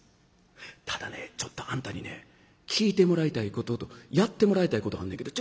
ただねちょっとあんたにね聞いてもらいたいこととやってもらいたいことあんねんけど。